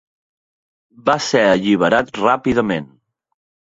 Va ser alliberat ràpidament.